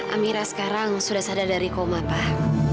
amira sekarang sudah sadar dari koma pak